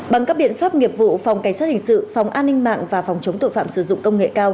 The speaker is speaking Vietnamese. bằng các biện pháp nghiệp vụ phòng cảnh sát hình sự phòng an ninh mạng và phòng chống tội phạm sử dụng công nghệ cao